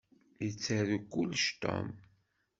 Yettaru kullec Tom.